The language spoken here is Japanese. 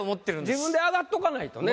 自分で上がっとかないとね